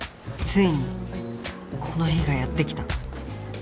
ついにこの日がやって来た。